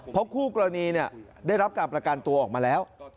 เพราะคู่กรณีได้รับการประกันตัวออกมาแล้ว